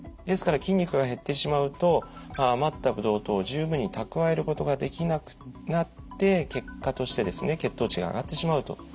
ですから筋肉が減ってしまうと余ったブドウ糖を十分に蓄えることができなくなって結果としてですね血糖値が上がってしまうと。